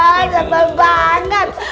ah sabar banget